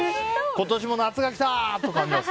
今年も夏が来たー！と感じます。